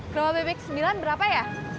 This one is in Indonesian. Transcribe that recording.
kerabat bpk sembilan berapa ya